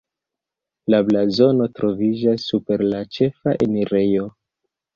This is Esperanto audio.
La blazono troviĝas super la ĉefa enirejo.